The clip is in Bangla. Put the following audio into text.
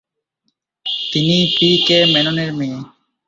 তিনি পি কে মেননের মেয়ে।